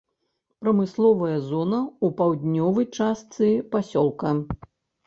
Прамысловая зона ў паўднёвай частцы пасёлка.